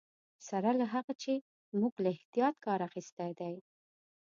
سره له هغه چې موږ له احتیاط کار اخیستی دی.